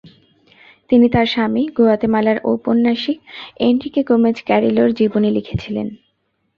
তিনি তার স্বামী, গুয়াতেমালার ঔপন্যাসিক, এনরিকে গোমেজ ক্যারিলোর জীবনী লিখেছিলেন।